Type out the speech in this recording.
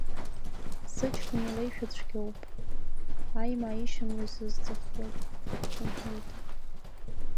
Сыҷкәын илеишәа цәгьоуп, аимаа ишьамло изызӡахуеит, — лҳәеит.